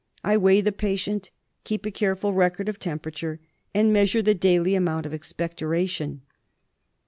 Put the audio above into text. I weigh the patient, keep a careful record of temperature, and measure the daily amount of expectoration.